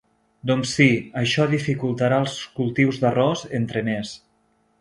Doncs sí, això dificultarà els cultius d’arròs, entre més.